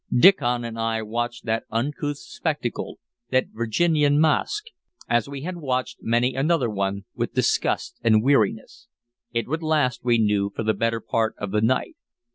Diccon and I watched that uncouth spectacle, that Virginian masque, as we had watched many another one, with disgust and weariness. It would last, we knew, for the better part of the night.